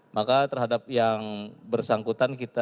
maka terhadap yang bersangkutan kita